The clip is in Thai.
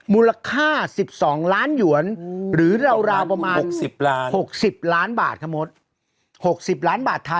มูลค่า๑๒ล้านหยวนหรือราวประมาณ๖๐ล้านบาท